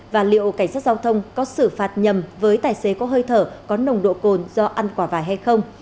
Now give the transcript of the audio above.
và liệu cảnh sát giao thông có xử phạt nhầm với tài xế có hơi thở có nồng độ cồn do ăn quả vải hay không